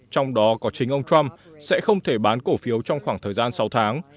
trong đó có chính ông trump sẽ không thể bán cổ phiếu trong khoảng thời gian sáu tháng